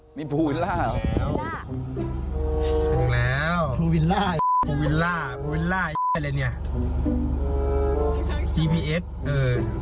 จังแล้วภูวิล่าภูวิล่าภูวิล่าอะไรเนี่ย